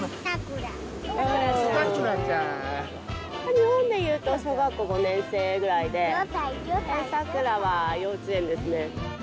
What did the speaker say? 日本でいうと、小学校５年生ぐらいで、サクラは幼稚園ですね。